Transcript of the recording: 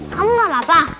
kamu gak apa apa